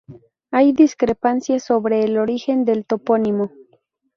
Hay discrepancias sobre el origen del topónimo.